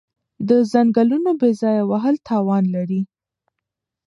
د ځنګلونو بې ځایه وهل تاوان لري.